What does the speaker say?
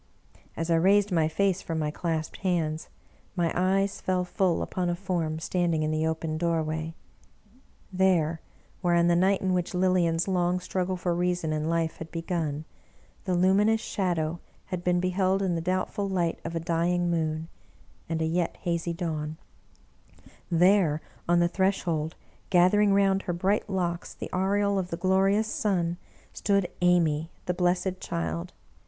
As I raised my face from my clasped hands, my eyes fell full upon a form standing in the open doorway. There, where on the night in .which Lilian's long struggle for reason and Ufe had begun, the Luminous Shadow had been beheld in the doubtful light of a dying moon and a yet hazy dawn; there, on the threshold, gathering round her bright locks the aureole of the glorious sun, stood Amy, the blessed child